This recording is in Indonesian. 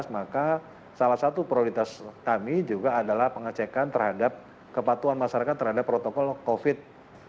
maka salah satu prioritas kami juga adalah pengecekan terhadap kepatuhan masyarakat terhadap protokol covid